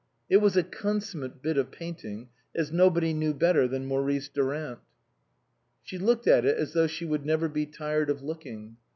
It was a consummate bit of painting, as nobody knew better than Maurice Durant. She looked at it as though she would never be tired of looking.